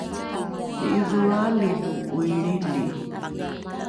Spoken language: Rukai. ni’idholroali lo ’oilrili